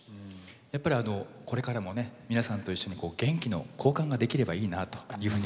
やっぱりこれからもね皆さんと一緒に元気の交換ができればいいなというふうに思ってます。